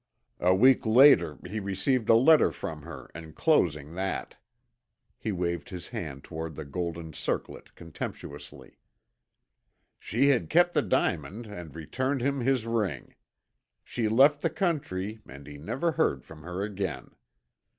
"A week later he received a letter from her enclosing that." He waved his hand toward the golden circlet contemptuously. "She had kept the diamond and returned him his ring. She left the country and he never heard from her again.